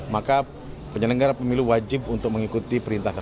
maka penyelenggara pemilu wajib untuk mengikuti perintahnya